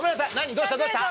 どうしたどうした？